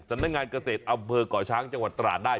สำนักงานเกษตรอำเภอก่อช้างจังหวัดตราดได้